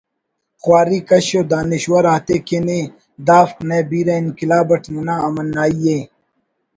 خواری کش و دانشور آتے کن ءِ دافک نئے بیرہ انقلاب اٹ ننا امنائی ءِ